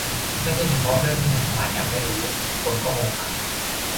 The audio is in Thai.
ไม่ใช่เฉพาะเรื่องที่รัฐบาลอยากให้รู้ คนก็คงฟังนะ